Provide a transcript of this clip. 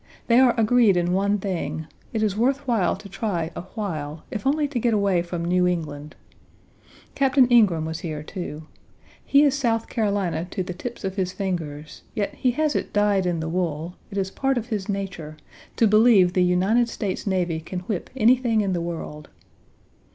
They are agreed in one thing: it is worth while to try a while, if only to get away from New England. Captain Ingraham was here, too. He is South Carolina to the tips of his fingers; yet he has it dyed in the wool it is part of his nature to believe the United States Navy can whip anything in the world.